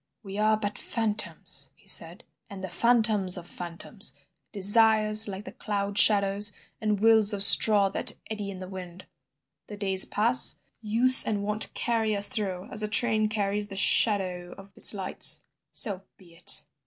"We are but phantoms!" he said, "and the phantoms of phantoms, desires like cloud shadows and wills of straw that eddy in the wind; the days pass, use and wont carry us through as a train carries the shadow of its lights—so be it!